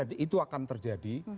itu akan terjadi